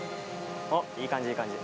おっいい感じいい感じ。